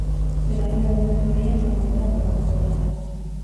Bigarren egunez jarraian, maldan gora bukatuko da etapa.